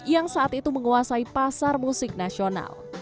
yang saat itu menguasai pasar musik nasional